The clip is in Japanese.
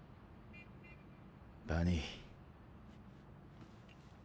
バニー。